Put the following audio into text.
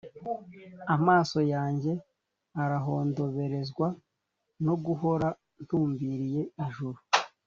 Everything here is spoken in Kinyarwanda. amaso yanjye arahondoberezwa no guhora ntumbiriye ijuru.